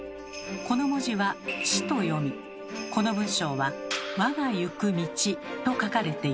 この文字は「ち」と読みこの文章は「わがゆくみち」と書かれています。